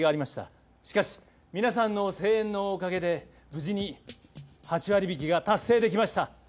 しかし皆さんの声援のおかげで無事に８割引きが達成できました。